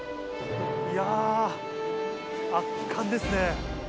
いやー、圧巻ですね。